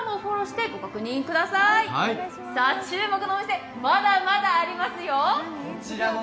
注目のお店、まだまだありますよ。